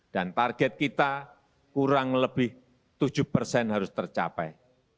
dan target kita kurang lebih tujuh persen harus tercapai